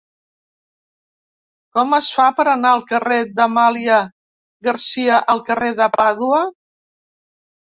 Com es fa per anar del carrer d'Amàlia Garcia al carrer de Pàdua?